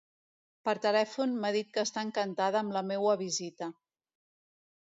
Per telèfon m'ha dit que està encantada amb la meua visita.